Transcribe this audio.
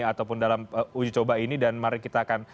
ataupun dalam uji coba ini dan mari kita akan